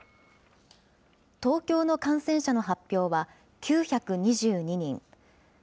東京の感染者の発表は９２２人。